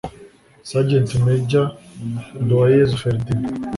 Sgt Major Nduwayezu Ferdinand